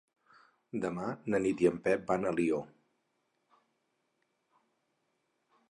Demà na Nit i en Pep van a Alió.